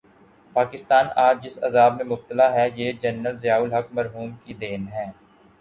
پاکستان آج جس عذاب میں مبتلا ہے، یہ جنرل ضیاء الحق مرحوم کی دین ہے۔